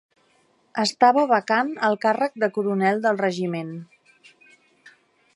Estava vacant el càrrec de coronel del regiment.